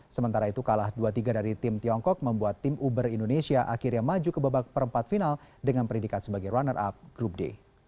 sementara itu kalah dua tiga dari tim tiongkok membuat tim uber indonesia akhirnya maju ke babak perempat final dengan pendidikan sebagai runner up grup d